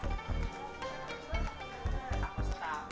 program vaksinasi di malam hari ini